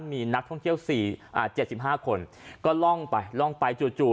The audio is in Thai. มีนักท่องเที่ยว๗๕คนก็ร่องไปจู่